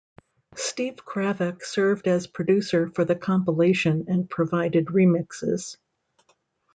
Steve Kravac served as producer for the compilation and provided remixes.